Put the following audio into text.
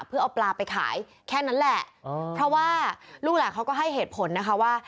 เพื่อเอาปลาไปขายแค่นั้นแหละเพราะว่าลูกหลานเขาก็ให้เหตุผลนะคะว่า